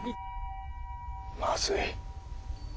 まずい。